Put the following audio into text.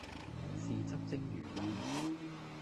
豉汁蒸魚雲